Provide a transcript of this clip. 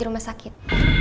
dia masih dirumah sakit